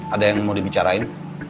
ada yang mau dibicarain